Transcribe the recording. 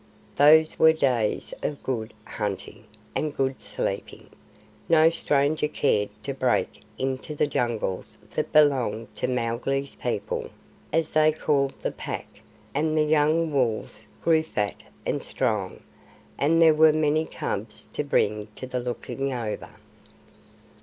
Those were days of good hunting and good sleeping. No stranger cared to break into the jungles that belonged to Mowgli's people, as they called the Pack, and the young wolves grew fat and strong, and there were many cubs to bring to the Looking over.